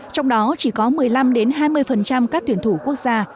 trong đó chỉ có một mươi năm hai mươi các tuyển thủ quốc gia